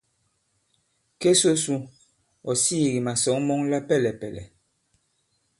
Ke so su , ɔ̀ sīī kì màsɔ̌ŋ mɔŋ la pɛlɛ̀pɛ̀lɛ̀.